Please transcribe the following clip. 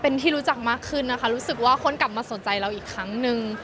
เป็นที่รู้จักมากขึ้นนะคะรู้สึกว่าคนกลับมาสนใจเราอีกครั้งนึง